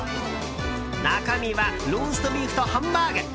中身はローストビーフとハンバーグ。